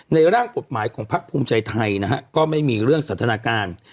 ร่างกฎหมายของพักภูมิใจไทยนะฮะก็ไม่มีเรื่องสันทนาการ